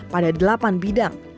pada delapan bidang